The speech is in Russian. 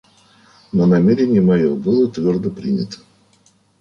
Но намерение мое было твердо принято.